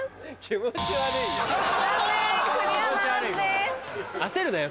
気持ち悪いよ。